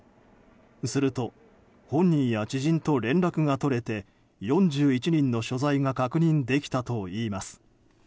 すると、本人や知人と連絡が取れて、４１人の所在が確認できたといいます。